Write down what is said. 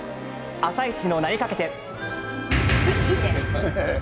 「あさイチ」の名にかけて。